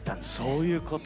そういうこと。